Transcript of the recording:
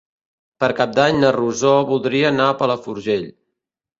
Per Cap d'Any na Rosó voldria anar a Palafrugell.